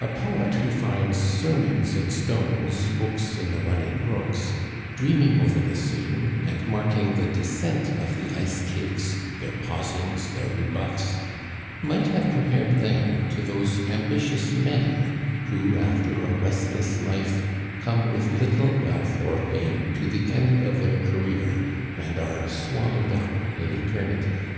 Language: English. A poet, who finds "sermons in stones, books in the running brooks," dreaming over the scene, and marking the descent of the ice cakes, their pausings, their rebuffs, might have compared them to those ambitious men who, after a restless life, come with little wealth or fame to the end of their career, and are swallowed up in eternity.